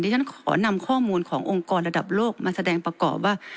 ฉันขอนำข้อมูลขององค์กรระดับโลกมาแสดงประกอบว่า